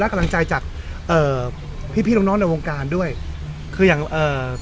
กำลังใจจากเอ่อพี่พี่น้องน้องในวงการด้วยคืออย่างเอ่อ